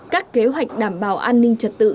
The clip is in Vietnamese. các kế hoạch đảm bảo an ninh trật tự